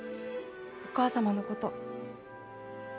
お母様のこと。